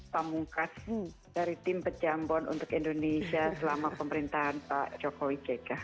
pamungkas dari tim pejambon untuk indonesia selama pemerintahan pak jokowi jk